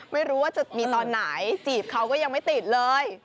ไม่รู้ว่าจะมีตอนไหนจีบเขาก็ยังไม่ติดเลย